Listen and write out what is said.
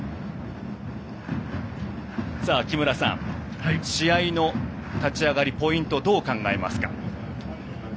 木村さん、試合の立ち上がりポイント、どう考えますか。